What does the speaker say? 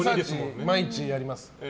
毎日やります。